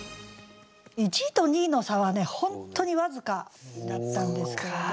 １位と２位の差は本当に僅かだったんですけれど。